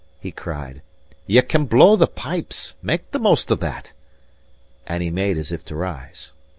he cried. "Ye can blow the pipes make the most of that." And he made as if to rise.